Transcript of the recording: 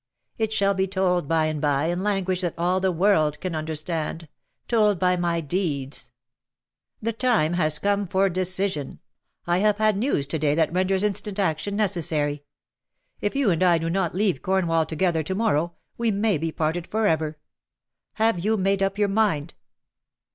It shall be told by and by in language that all the world can understand — told by my deeds. The time has come for decision ; I have had news to day that renders instant action necessary. If you and I do not leave Cornwall together to morrow, we may be parted for ever. Have you made up your mind